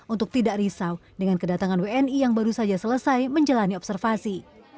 untuk tidak risau dengan kedatangan wni yang baru saja selesai menjalani observasi